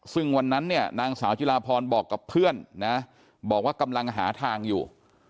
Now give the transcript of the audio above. ซึ่งวันนั้นเนี่ยนางสาวจิลาพรบอกกับเพื่อนนะบอกว่ากำลังหาทางอยู่